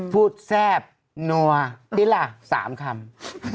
พูดแซ่บหนัวติระสามคำ